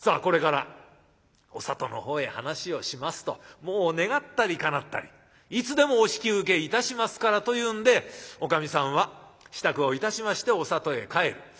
これからお里の方へ話をしますともう願ったりかなったりいつでもお引き受けいたしますからというんでおかみさんは支度をいたしましてお里へ帰る。